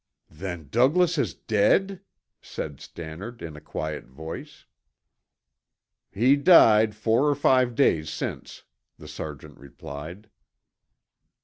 "Then Douglas is dead?" said Stannard in a quiet voice. "He died four or five days since," the sergeant replied.